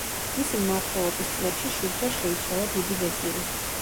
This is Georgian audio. მისი მმართველობის წლებში შვიდჯერ შეიცვალა დიდი ვეზირი.